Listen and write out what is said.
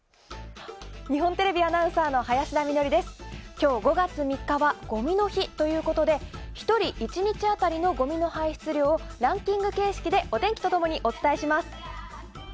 今日、５月３日はごみの日ということで１人１日当たりのごみの排出量をランキング形式でお天気と共にお伝えします。